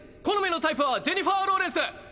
好みのタイプはジェニファー・ローレンス。